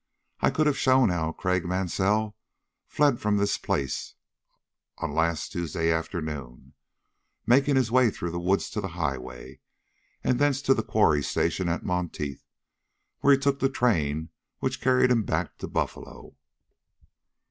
I could have shown how Craik Mansell fled from this place on last Tuesday afternoon, making his way through the woods to the highway, and thence to the Quarry Station at Monteith, where he took the train which carried him back to Buffalo."